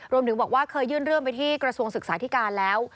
รวมถึงบอกว่าเคยยื่นเรื่องไปที่กระทรวงศึกษาธิการแล้ว